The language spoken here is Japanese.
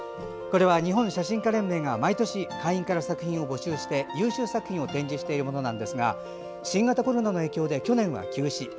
これは、日本写真家連盟が毎年、会員から作品を募集して優秀作品を展示しているものですが新型コロナの影響で去年は休止。